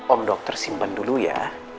om dokter simpan dulu ya